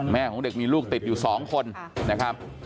ของเด็กมีลูกติดอยู่๒คนนะครับ